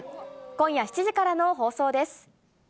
今夜７時からの放送です。